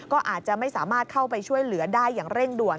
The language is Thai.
ก็อาจจะไม่สามารถเข้าไปช่วยเหลือได้อย่างเร่งด่วน